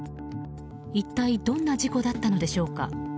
一体どんな事故だったのでしょうか。